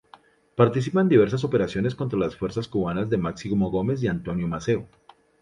Participa en diversas operaciones contra las fuerzas cubanas de Máximo Gómez y Antonio Maceo.